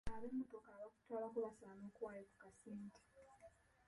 Ab'emmotoka abakutwalako basaana okuwaayo ku kasente.